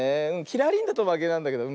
キラリンだとまけなんだけど。